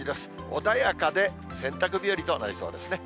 穏やかで、洗濯日和となりそうですね。